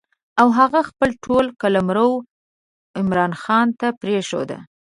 او هغه خپل ټول قلمرو عمرا خان ته پرېښود.